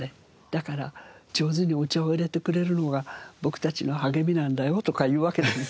だから「上手にお茶を入れてくれるのが僕たちの励みなんだよ」とか言うわけですよ。